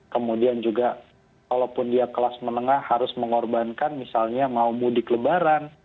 kemudian juga kalaupun dia kelas menengah harus mengorbankan misalnya mau mudik lebaran